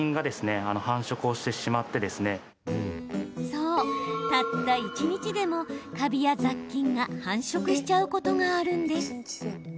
そう、たった一日でもカビや雑菌が繁殖しちゃうことがあるんです。